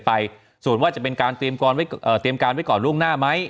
ในการหาข้อเท็จจริงกันไปส่วนว่าจะเป็นการเตรียมการไว้ก่อนล่วงหน้าไหม